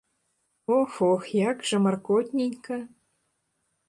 Ох, ох, як жа маркотненька!